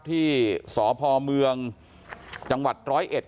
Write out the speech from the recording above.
ที่สพเมืองจังหวัดร้อยเอ็ด